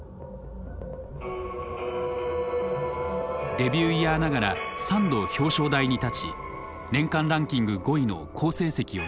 デビューイヤーながら３度表彰台に立ち年間ランキング５位の好成績を残した。